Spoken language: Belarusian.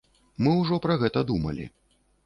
Мы ўжо пра гэта думалі.